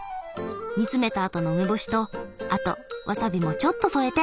煮詰めた後の梅干しとあとワサビもちょっと添えて。